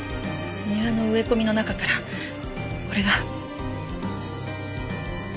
庭の植え込みの中からこれが。